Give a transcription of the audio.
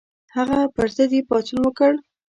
هغه پر ضد یې پاڅون وکړ.